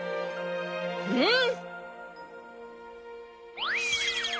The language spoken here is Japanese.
うん！